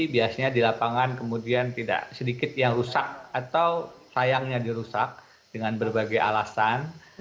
biasanya di lapangan kemudian tidak sedikit yang rusak atau sayangnya dirusak dengan berbagai alasan